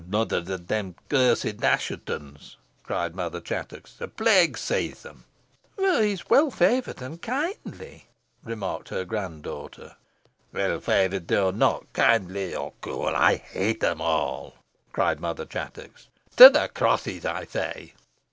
"Another of these accursed Asshetons," cried Mother Chattox. "A plague seize them!" "Boh he's weel favourt an kindly," remarked her grand daughter. "Well favoured or not, kindly or cruel, I hate them all," cried Mother Chattox. "To the crosses, I say!"